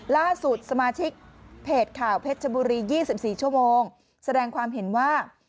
ล่าสุดสมาชิกเพจข่าวเพชรชบุรี๒๔ชั่วโมงแสดงความเห็นว่า